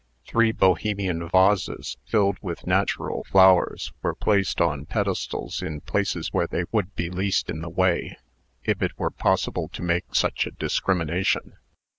Three Bohemian vases, filled with natural flowers, were placed on pedestals in places where they would be least in the way, if it were possible to make such a discrimination.